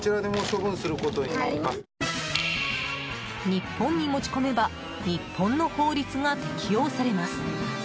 日本に持ち込めば日本の法律が適用されます。